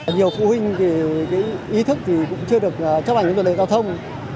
nhiều phụ huynh ý thức thì cũng chưa được chấp ảnh được lời giao thông